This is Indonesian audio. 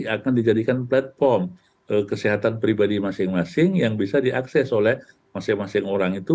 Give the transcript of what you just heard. akan dijadikan platform kesehatan pribadi masing masing yang bisa diakses oleh masing masing orang itu